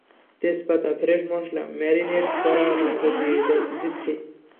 তেজপাতা, ফ্রেশ মসলা, ম্যারিনেট করা মাংস দিয়ে দিচ্ছি।